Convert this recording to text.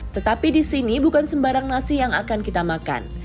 tetapi di sini bukan sembarang nasi yang akan kita makan